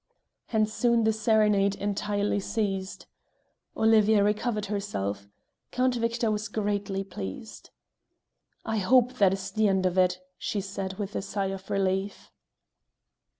And soon the serenade entirely ceased. Olivia recovered herself; Count Victor was greatly pleased. "I hope that is the end of it," she said, with a sigh of relief.